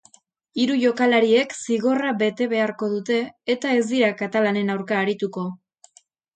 Hiru jokalariek zigorra bete beharko dute eta ez dira katalanen aurka arituko.